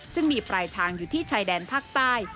ซึ่งมีปลายทางอยู่ที่ชายแดนภาคใต้